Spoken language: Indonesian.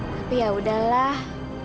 tapi ya udahlah